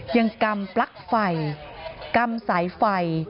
กำปลั๊กไฟกำสายไฟ